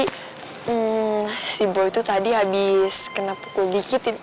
hmm si bo itu tadi habis kena pukul dikit